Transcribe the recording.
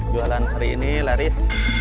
jualan hari ini laris